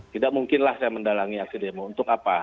tidak mungkinlah saya mendalangi aksi demo untuk apa